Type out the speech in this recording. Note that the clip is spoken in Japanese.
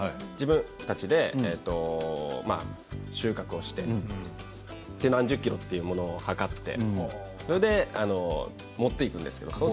自分たちで収穫をして何十ｋｇというものを量ってそれで持っていくんですけれど。